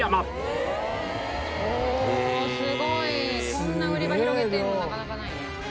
こんな売り場広げてるのなかなかないよ。